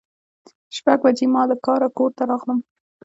شپږ بجې ما له کاره کور ته راغلم.